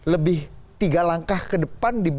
lebih tiga langkah ke depan